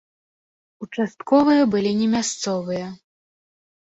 Участковыя былі не мясцовыя.